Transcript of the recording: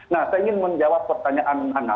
nah saya ingin menjawab pertanyaan nana